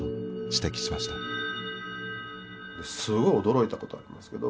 すごい驚いたことありますけど。